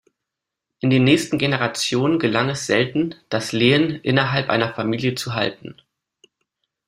In den nächsten Generationen gelang es selten, das Lehen innerhalb einer Familie zu halten.